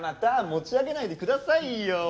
持ち上げないでくださいよ。